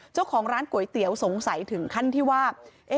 เจ้าของร้านก๋วยเตี๋ยวสงสัยถึงขั้นที่ว่า